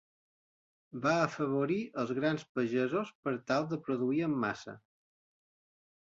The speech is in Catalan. Va afavorir als grans pagesos per tal de produir en massa.